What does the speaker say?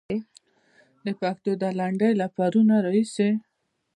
د پښتو دا لنډۍ له پرونه راهيسې.